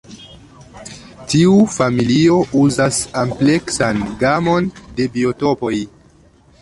Tiu familio uzas ampleksan gamon de biotopoj.